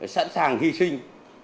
sẵn sàng hy sinh